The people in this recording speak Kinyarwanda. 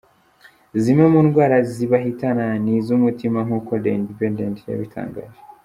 Zimwe mu ndwara zibahitana ni iz’umutima nkuko The Independent yabitangaje.